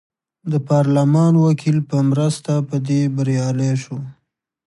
د پارلمان وکیل په مرسته په دې بریالی شو.